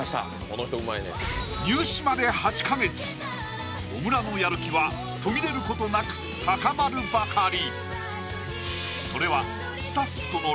入試まで８か月小倉のやる気は途切れることなく高まるばかり！